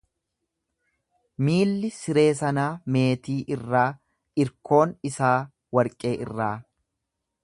Miilli siree sanaa meetii irraa, irkoon isaa warqee irraa,